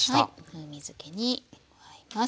風味づけに加えます。